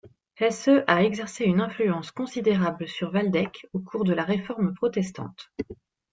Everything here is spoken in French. Hesse a exercé une influence considérable sur Waldeck au cours de la Réforme protestante.